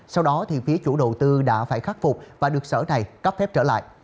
sau đó thì phía chủ đầu tư đã phải khắc phục và được sở này cấp phép trở lại